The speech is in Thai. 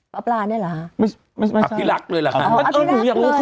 ปราปราเนี่ยเหรออภิรักษ์เลยล่ะค่ะ